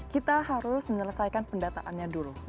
kita harus menyelesaikan pendataannya dulu